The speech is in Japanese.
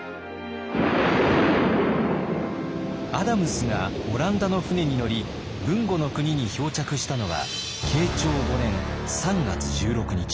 アダムスがオランダの船に乗り豊後国に漂着したのは慶長５年３月１６日。